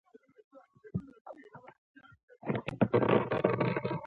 نوير قبیله په دې لار خوسکي وهڅول.